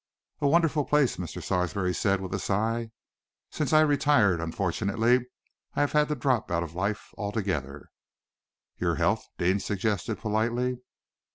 "A wonderful place!" Mr. Sarsby said, with a sigh. "Since I retired, unfortunately, I have had to drop out of life altogether." "Your health?" Deane suggested politely.